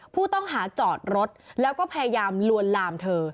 ผู้ต้องหาจอดรถแล้วก็พยายามลวนลามเธอ